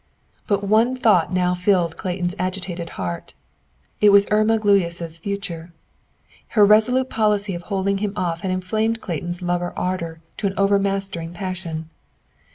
But one thought now filled Clayton's agitated heart. It was Irma Gluyas' future. Her resolute policy of holding him off had inflamed Clayton's lover ardor to an overmastering passion.